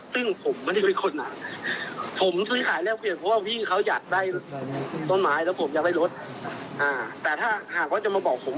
คุณไม่ได้ซื้อขายคุณไม่ได้แลกกันจริง